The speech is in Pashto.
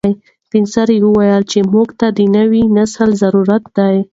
سپین سرې وویل چې موږ ته د نوي نسل ضرورت دی.